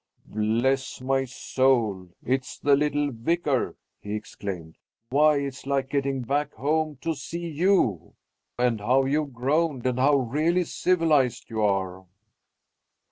"Bless my soul, it's the little Vicar!" he exclaimed. "Why, it's like getting back home to see you! And how you've grown, and how really civilized you are!"